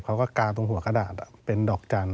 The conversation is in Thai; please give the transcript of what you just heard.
กลางตรงหัวกระดาษเป็นดอกจันทร์